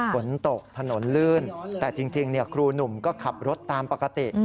ฝนตกถนนลื่นแต่จริงครูหนุ่มก็ขับรถตามปกติ